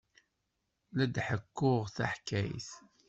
La d-ḥekkuɣ taḥkayt.